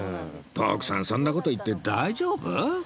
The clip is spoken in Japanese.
徳さんそんな事言って大丈夫？